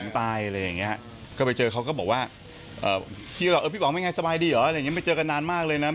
พี่บอกว่าพี่บอกไม่ง่ายสบายดีเหรอไม่เจอกันนานมากเลยนะ